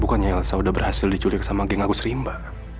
bukannya elsa udah berhasil diculik sama geng agus rimba